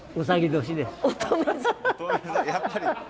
やっぱり。